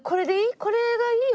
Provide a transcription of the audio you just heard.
これがいいよ。